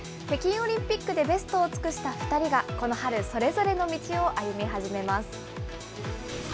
北京オリンピックでベストを尽くした２人がこの春、それぞれの道を歩み始めます。